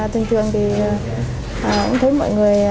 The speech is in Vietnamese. thì thường thì cũng thấy mọi người